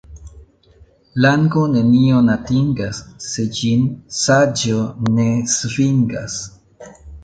Lango nenion atingas, se ĝin saĝo ne svingas.